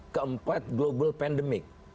keempat global pandemic